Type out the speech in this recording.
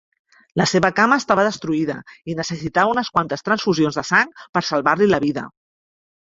La seva cama estava destruïda i necessitava unes quantes transfusions de sang per salvar-li la vida.